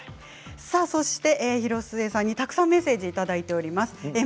そして広末さんにたくさんメッセージいただいています。